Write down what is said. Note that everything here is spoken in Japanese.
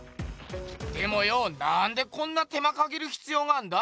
でもよなんでこんな手間かけるひつようがあんだ？